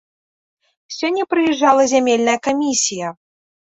Сёння прыязджала зямельная камісія.